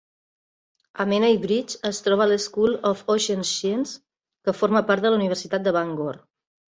A Menai Bridge es troba l'School of Ocean Sciences, que forma part de la Universitat de Bangor.